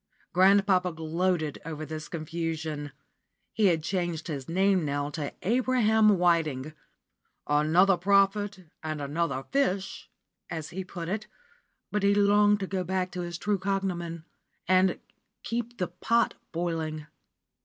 Grandpapa gloated over this confusion. He had changed his name now to Abraham Whiting "another prophet and another fish," as he put it but he longed to go back to his true cognomen and "keep the pot boiling."